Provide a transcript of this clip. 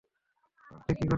পাল্টে কী বানাবে?